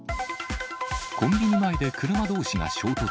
コンビニ前で車どうしが衝突。